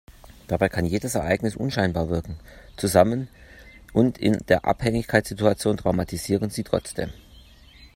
Dabei kann jedes Ereignis unscheinbar wirken, zusammen und in der Abhängigkeitssituation traumatisieren sie trotzdem.